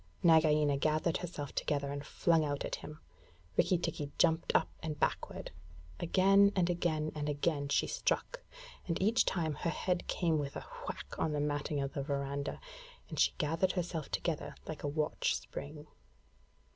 Nagaina gathered herself together, and flung out at him. Rikki tikki jumped up and backward. Again and again and again she struck, and each time her head came with a whack on the matting of the verandah, and she gathered herself together like a watch spring.